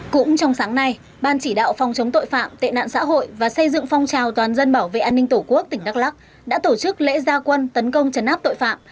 cũng trong sáng nay ban chỉ đạo phòng chống tội phạm tệ nạn xã hội và xây dựng phong trào toàn dân bảo vệ an ninh tổ quốc tỉnh đắk lắc đã tổ chức lễ gia quân tấn công chấn áp tội phạm